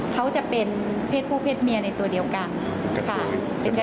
เขาจะเป็นเพศผู้เพศเมียในตัวเดียวกันค่ะ